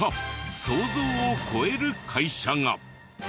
想像を超える会社が。